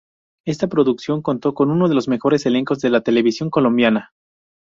Esta producción contó con uno de los mejores elencos de la televisión colombiana.